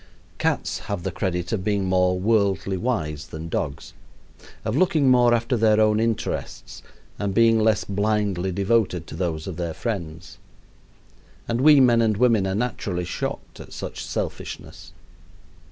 Cats have the credit of being more worldly wise than dogs of looking more after their own interests and being less blindly devoted to those of their friends. And we men and women are naturally shocked at such selfishness.